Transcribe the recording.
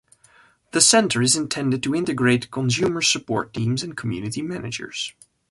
The centre is intended to integrate consumer support teams and community managers.